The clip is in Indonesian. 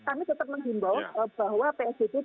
kami tetap menghimbau bahwa psbb